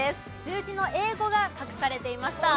数字の英語が隠されていました。